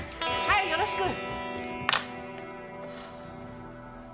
はいよろしく。